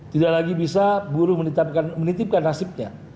tidak lagi bisa buruh menitipkan nasibnya